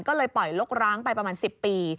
ก็เลยปล่อยลกร้างไปประมาณ๑๐ปี